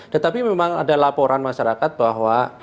tetapi memang ada laporan masyarakat bahwa